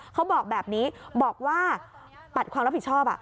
เขาบอกแบบนี้บอกว่าปัดความรับผิดชอบ